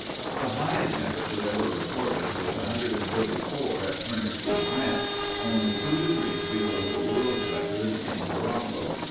The highest temperature ever recorded was 134 at Furnace Creek Ranch—only two degrees below the world's record in Morocco.